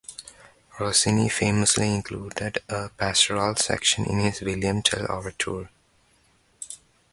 Rossini famously included a Pastorale section in his William Tell Overture.